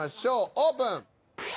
オープン！